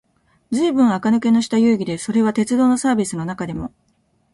ずいぶん垢抜けのした遊戯で、それは鉄道のサーヴィスの中でも、